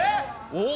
おっ！